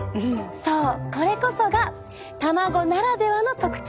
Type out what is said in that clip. そうこれこそが卵ならではの特徴！